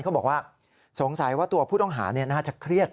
เขาบอกว่าสงสัยว่าตัวผู้ต้องหาน่าจะเครียด